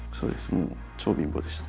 もう超貧乏でした。